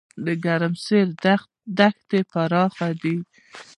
د ګرمسیر دښتې پراخې دي